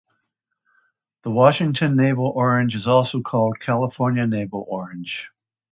The Washington Navel Orange is also called California Navel Orange.